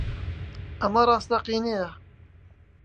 ئەمە ڕاستەقینەیە؟